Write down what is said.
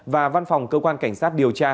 và văn phòng cơ quan cảnh sát điều tra